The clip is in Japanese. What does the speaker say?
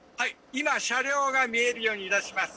今車両が見えるように致します」